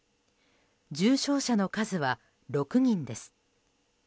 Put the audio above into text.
重症者の数は６人です。